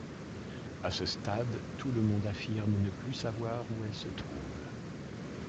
À ce stade, tout le monde affirme ne plus savoir où elle se trouve.